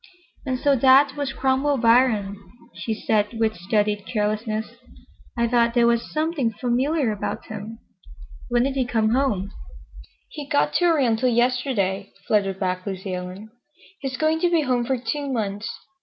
"And so that was Cromwell Biron," she said with studied carelessness. "I thought there was something familiar about him. When did he come home?" "He got to Oriental yesterday," fluttered back Lucy Ellen. "He's going to be home for two months.